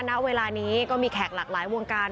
ณเวลานี้ก็มีแขกหลากหลายวงการ